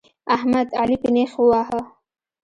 احمد؛ علي په نېښ وواهه.